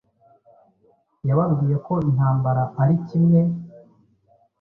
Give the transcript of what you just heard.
yababwiye ko intambara ari kimwe